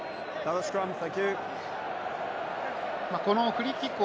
フリーキック。